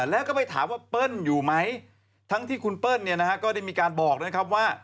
แล้วก็ไปถามว่าเปิ้ลอยู่ไหมทั้งที่คุณเปิ้ลก็ได้มีการบอกว่า